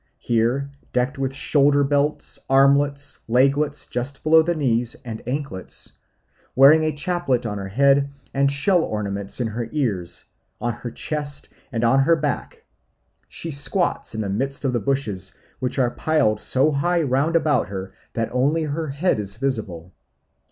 Here, decked with shoulder belts, armlets, leglets just below the knees, and anklets, wearing a chaplet on her head, and shell ornaments in her ears, on her chest, and on her back, she squats in the midst of the bushes, which are piled so high round about her that only her head is visible.